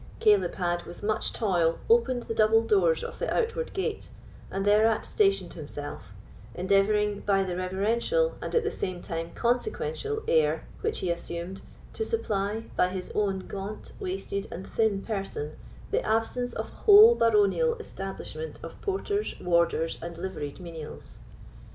Caleb had, with much toil, opened the double doors of the outward gate, and thereat stationed himself, endeavouring, by the reverential, and at the same time consequential, air which he assumed, to supply, by his own gaunt, wasted, and thin person, the absence of a whole baronial establishment of porters, warders, and liveried menials.